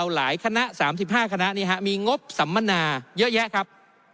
หลายคณะ๓๕คณะมีงบสัมมนาเยอะแยะครับ